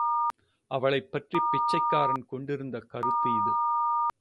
அவளைப் பற்றிப் பிச்சைக்காரன் கொண்டிருந்த கருத்து இது.